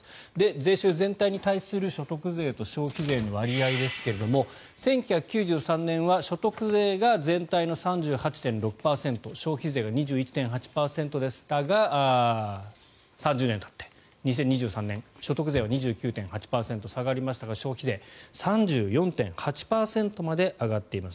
税収全体に対する所得税と消費税の割合ですが１９９３年は所得税が全体の３８．６％消費税が２１．８％でしたが３０年たって２０２３年所得税は２９．８％下がりましたが消費税は３４．８％まで上がっています。